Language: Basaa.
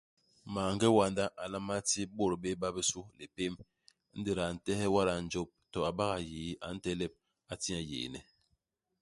Maange wanda a nlama ti bôt béé ba bisu lipém. Ingéda a ntehe wada a njôp, to a bak a yii, a ntelep, a ti nye yééne.